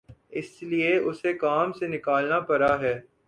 اس لیے اُسے کام سے نکالنا پڑا ہے